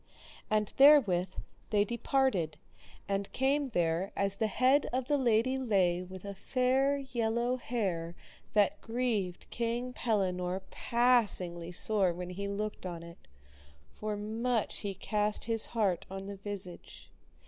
And therewith they departed, and came there as the head of the lady lay with a fair yellow hair that grieved King Pellinore passingly sore when he looked on it, for much he cast his heart on the visage.